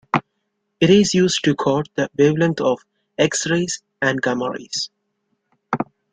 It is used to quote the wavelength of X-rays and gamma rays.